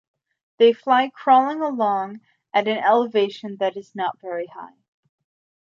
They fly crawling along at an elevation that is not very high.